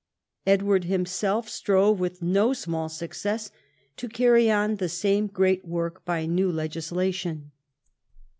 Edward himself strove with no small success to carry on the same great work by new legisla tion.